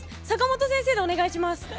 坂本先生でお願いします。